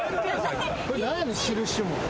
これ何やねん印も。